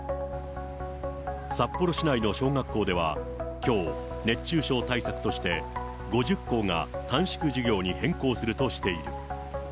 札幌市内の小学校ではきょう、熱中症対策として５０校が短縮授業に変更するとしている。